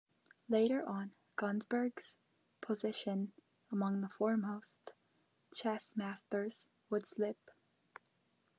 Later on, Gunsberg's position among the foremost chess masters would slip.